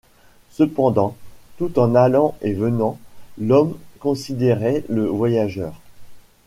Cependant, tout en allant et venant, l’homme considérait le voyageur.